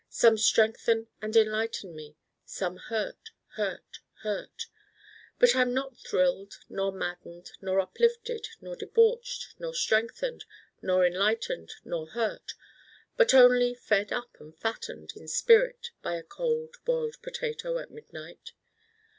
Some strengthen and enlighten me. Some hurt, hurt, hurt. But I'm not thrilled nor maddened nor uplifted nor debauched nor strengthened nor enlightened nor hurt, but only fed up and fattened in spirit by a Cold Boiled Potato at midnight.